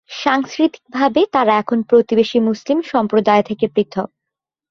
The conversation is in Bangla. সাংস্কৃতিকভাবে তারা এখন প্রতিবেশী মুসলিম সম্প্রদায় থেকে পৃথক।